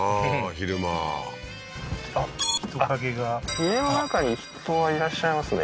昼間家の中に人はいらっしゃいますね